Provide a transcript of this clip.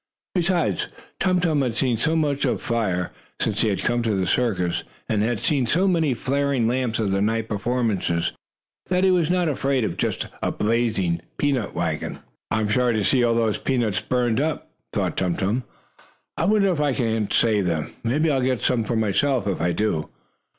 Besides, Tum Tum had seen so much of fire, since he had come to the circus, and had seen so many flaring lamps at the night performances, that he was not afraid of just a blazing peanut wagon. "I'm sorry to see all those peanuts burned up," thought Tum Tum. "I wonder if I can't save them maybe I'll get some for myself, if I do."